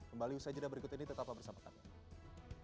kembali usai jeda berikut ini tetaplah bersama kami